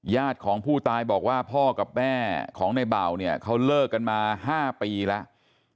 ญาติของผู้ตายบอกว่าพ่อกับแม่ของในเบาเนี่ยเขาเลิกกันมา๕ปีแล้ว